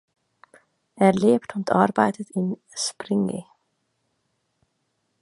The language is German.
Er lebt und arbeitet in Springe.